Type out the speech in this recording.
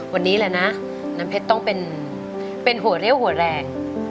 วันนี้แหละนะน้ำเพชรต้องเป็นหัวเรี่ยวหัวแรง